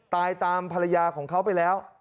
ตายตามภรรยาของเขาไปแล้ว